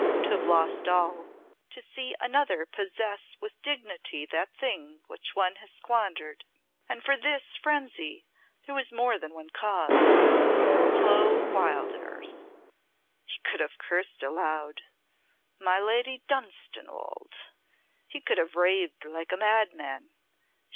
To have lost all to see another possess with dignity that thing one has squandered! And for this frenzy there was more than one cause. Clo Wildairs! He could have cursed aloud. My Lady Dunstanwolde! He could have raved like a madman.